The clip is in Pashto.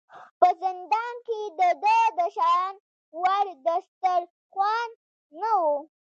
په زندان کې د ده د شان وړ دسترخوان نه و.